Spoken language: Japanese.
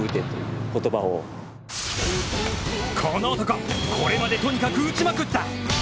この男、これまでとにかく打ちまくった！